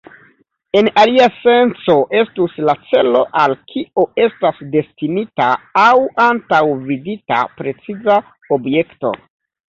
En alia senco estus la celo al kio estas destinita aŭ antaŭvidita preciza objekto.